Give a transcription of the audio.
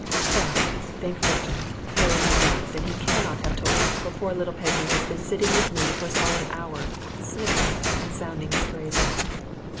Well, thank fortune, Harry has left, and he cannot have told, for poor little Peggy has been sitting with me for a solid hour, sniffing, and sounding his praises.